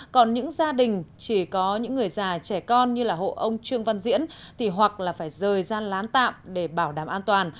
còn những gia đình chỉ có những người già trẻ con như là hộ ông trương văn diễn thì hoặc là phải rời ra lán tạm để bảo đảm an toàn